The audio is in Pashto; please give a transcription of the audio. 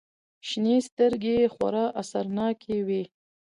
شنې سترگې يې خورا اثرناکې وې.